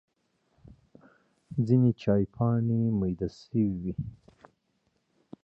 ځینې چای پاڼې مېده شوې وي.